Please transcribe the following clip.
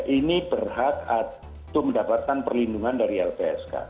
ini berhak atau mendapatkan perlindungan dari lpsk